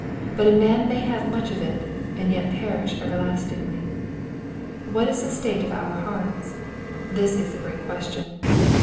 But a man may have much of it, aqd yet perish ever lastingly. What is the state of our hearts ? This is the great question.